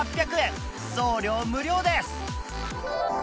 送料無料です！